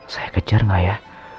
saya kejar gak ya